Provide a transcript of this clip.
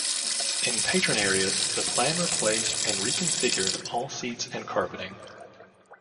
In patron areas, the plan replaced and reconfigured all seats and carpeting.